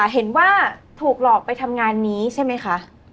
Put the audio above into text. เห็นว่าถูกหลอกไปทำงานนี้ใช่ไหมคะ